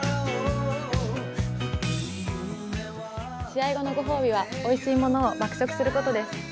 試合後のご褒美はおいしいものを爆食することです。